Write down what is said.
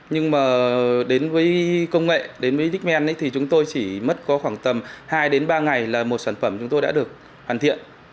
nhưng mà đến với công nghệ đến với dimmen thì chúng tôi chỉ mất có khoảng tầm hai đến ba ngày là một sản phẩm chúng tôi đã được hoàn thiện